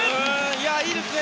いいですね。